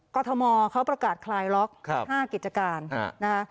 กรทมเขาประกาศคลายล็อก๕กิจการนะคะ